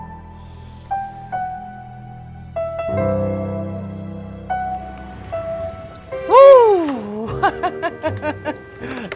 kita bisa nelu lua